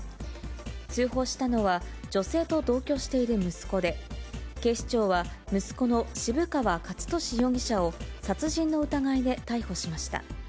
通報したのは、女性と同居している息子で、警視庁は、息子の渋川勝敏容疑者を殺人の疑いで逮捕しました。